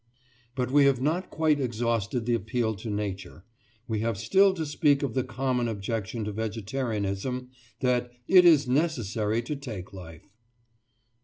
But we have not quite exhausted the appeal to Nature; we have still to speak of the common objection to vegetarianism that "it is necessary to take life."